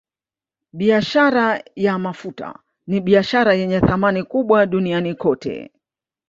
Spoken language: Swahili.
Biashara ya mafuta ni biashara yenye thamani kubwa duniani kote